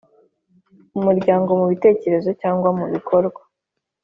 Umuryango mu bitekerezo cyangwa mu bikorwa